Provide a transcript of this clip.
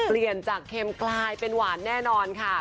เปลี่ยนจากเค็มกลายเป็นหวานแน่นอนค่ะ